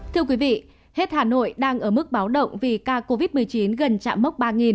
thưa quý vị hết hà nội đang ở mức báo động vì ca covid một mươi chín gần chạm mốc ba